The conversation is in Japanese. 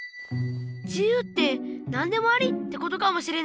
自由って何でもありってことかもしれない。